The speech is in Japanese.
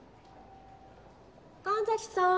神崎さん。